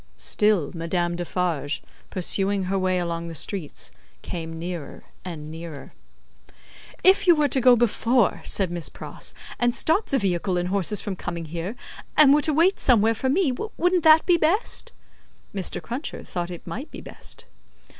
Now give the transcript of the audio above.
Still, Madame Defarge, pursuing her way along the streets, came nearer and nearer. "If you were to go before," said Miss Pross, "and stop the vehicle and horses from coming here, and were to wait somewhere for me; wouldn't that be best?" Mr. Cruncher thought it might be best.